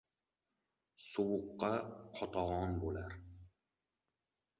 Sovuqqa qotog'on bo'lar.